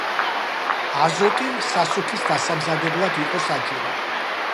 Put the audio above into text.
აზოტი სასუქის დასამზადებლად იყო საჭირო.